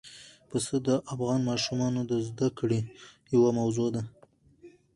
پسه د افغان ماشومانو د زده کړې یوه موضوع ده.